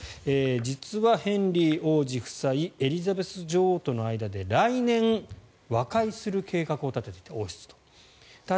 実はヘンリー王子夫妻エリザベス女王との間で来年、王室と和解する計画を立てていた。